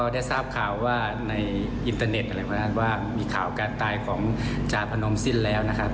ได้ทราบข่าวว่าในอินเทอร์เน็ตมีข่าวการตายของจาร์พนมซิ้นแล้วนะครับ